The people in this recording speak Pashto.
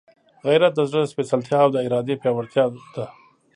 غیرت د زړه سپېڅلتیا او د ارادې پیاوړتیا ده.